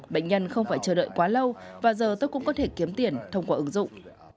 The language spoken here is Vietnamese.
bệnh nhân không phải chờ đợi quá lâu và giờ tôi cũng có thể kiếm tiền thông qua ứng dụng